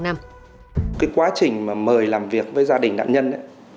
cái quá trình mà mời làm việc với gia đình nạn nhân ấy